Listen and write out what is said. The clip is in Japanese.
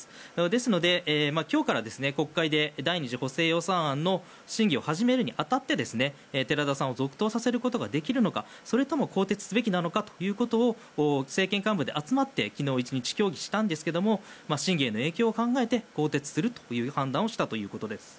ですので、今日から国会で第２次補正予算案の審議を始めるに当たって寺田さんを続投させることができるのかそれとも更迭すべきなのかを政権幹部で集まって昨日１日協議したんですが審議への影響を考えて更迭するという判断をしたということです。